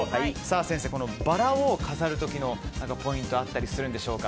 先生、バラを飾る時のポイントはあったりするんでしょうか。